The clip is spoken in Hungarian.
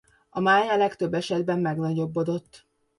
A máj a legtöbb esetben megnagyobbodott.